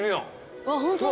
あっホントだ。